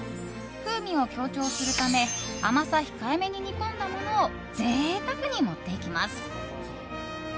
風味を強調するため甘さ控えめに煮込んだものを贅沢に盛っていきます。